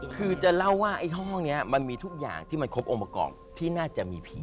คือจะเล่าว่าไอ้ห้องนี้มันมีทุกอย่างที่มันครบองค์ประกอบที่น่าจะมีผี